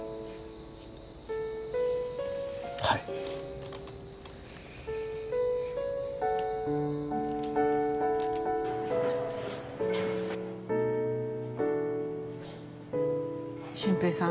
はい俊平さん